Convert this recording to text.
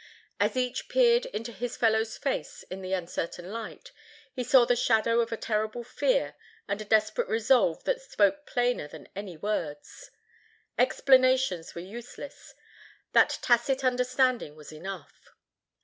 As each peered into his fellow's face in the uncertain light, he saw the shadow of a terrible fear and a desperate resolve that spoke plainer than any words. Explanations were useless; that tacit understanding was enough.